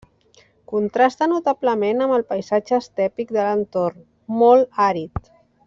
Contrasta notablement amb el paisatge estèpic de l'entorn, molt àrid.